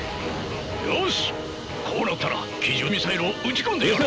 よしこうなったら奇獣ミサイルを撃ち込んでやる！